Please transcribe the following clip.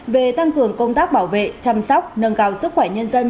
về tăng cường công tác bảo vệ chăm sóc nâng cao sức khỏe nhân dân